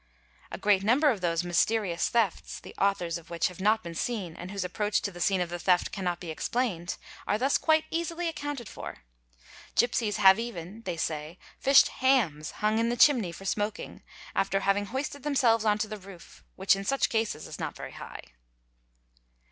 A great number of those ''mysterious"' _ thefts, the authors of which have not been seen and whose approach to _ the scene of the theft cannot be explained, are thus quite easily accounted for. Gipsies have even, they say, fished hams hung in the chimney for | smoking after having hoisted themselves on to the roof, which in such @ases is not very high.